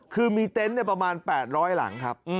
คือมีเต็นต์ประมาณ๘๐๐หลังครับ